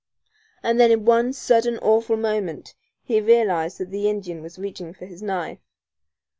And then in one sudden, awful moment he realized that the Indian was reaching for his knife.